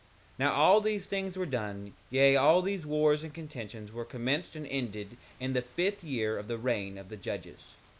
3:25 Now all these things were done, yea, all these wars and contentions were commenced and ended in the fifth year of the reign of the judges.